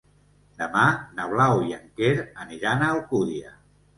Demà na Blau i en Quer aniran a Alcúdia.